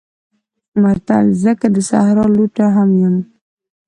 متل: زه که د صحرا لوټه هم یم